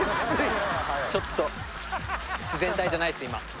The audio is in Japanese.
ちょっと自然体じゃないです